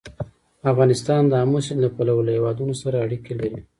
افغانستان د آمو سیند له پلوه له هېوادونو سره اړیکې لري.